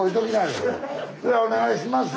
ではお願いします。